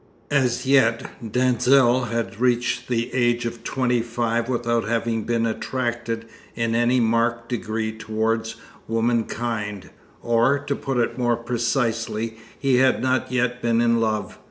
As yet Denzil had reached the age of twenty five without having been attracted in any marked degree towards woman kind; or, to put it more precisely, he had not yet been in love.